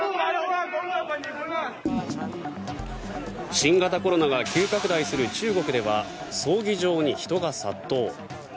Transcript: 新型コロナが急拡大する中国では葬儀場に人が殺到。